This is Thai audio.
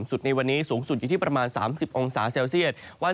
สูงสุดประมาณ๓๖๔โองสาเซลเซียต